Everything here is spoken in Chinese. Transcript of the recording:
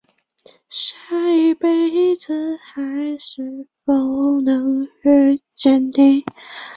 人民公正党大力提倡社会正义及反腐败的议程。